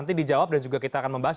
nanti dijawab dan juga kita akan membahas